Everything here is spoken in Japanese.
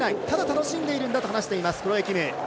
ただ楽しんでいるんだと話しています、クロエ・キム。